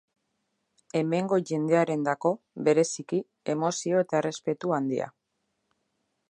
Hemengo jendearendako, bereziki, emozio eta errespetu handia.